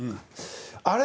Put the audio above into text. あれ？